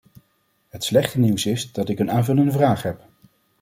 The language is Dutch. Het slechte nieuws is dat ik een aanvullende vraag heb.